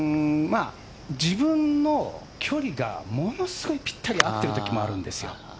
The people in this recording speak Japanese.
自分の距離がものすごいぴったり合ってるときもあるんですよ。